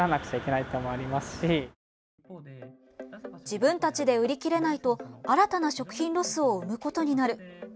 自分たちで売り切れないと新たな食品ロスを生むことになる。